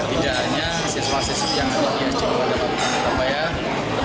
tidak hanya siswa siswa yang ada di sd muhammadiyah